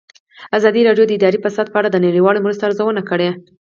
ازادي راډیو د اداري فساد په اړه د نړیوالو مرستو ارزونه کړې.